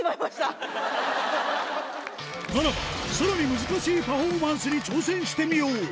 ならばさらに難しいパフォーマンスに挑戦してみよう！